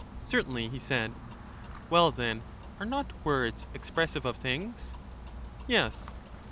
Certainly, he said. Well, then, are not words expressive of things? Yes.